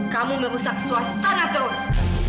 kamu merusak suasana terus